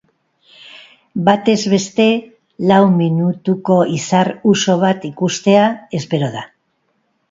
Batez beste lau minutuko izar uxo bat ikustea espero da.